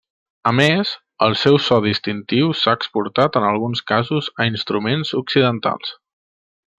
A més, el seu so distintiu s'ha exportat en alguns casos a instruments occidentals.